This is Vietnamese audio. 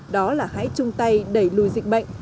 đó là hãy chung tay đẩy lùi dịch bệnh